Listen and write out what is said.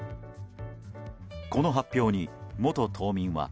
この発表に元島民は。